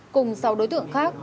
cùng sáu đối tượng khác